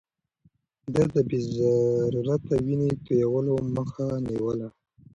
ده د بې ضرورته وينې تويولو مخه نيوله.